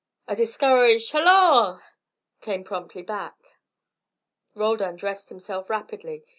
A discouraged "Halloa!" came promptly back. Roldan dressed himself rapidly.